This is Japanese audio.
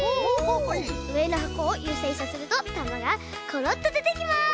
うえのはこをゆさゆさするとたまがコロッとでてきます！